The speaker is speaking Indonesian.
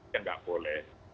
yang gak boleh